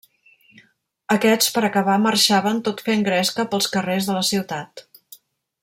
Aquests, per acabar marxaven tot fent gresca pels carrers de la ciutat.